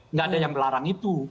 nggak ada yang melarang itu